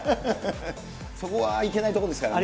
そこはいけないところですか